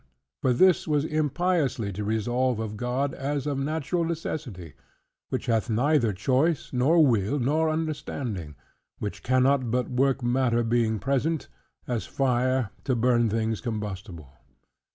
For this were impiously to resolve of God, as of natural necessity; which hath neither choice, nor will, nor understanding; which cannot but work matter being present: as fire, to burn things combustible.